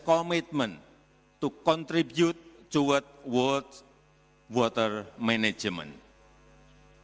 untuk berkontribusi terhadap pengurusan air dunia